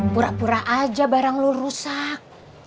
pura pura aja barang lo rusak